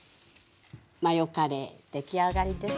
マヨカレー出来上がりです。